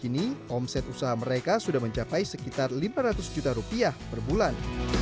kini omset usaha mereka sudah mencapai sekitar lima ratus juta rupiah per bulan